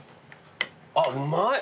あっうまい！